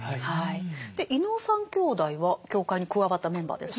で伊能三兄弟は教会に加わったメンバーですね。